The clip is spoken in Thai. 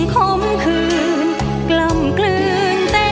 โปรดติดตามตอนต่อไป